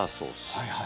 はいはい。